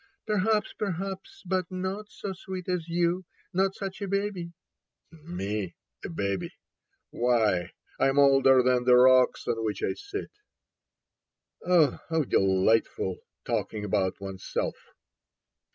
" Perfect, perhaps ; but not so sweet as you. Not such a baby." " Me ? A baby. Why, I am older than the rocks on which I sit. ..." Oh, how delightful, talking about oneself